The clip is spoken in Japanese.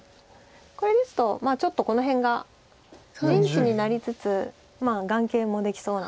これですとちょっとこの辺が陣地になりつつ眼形もできそうなので。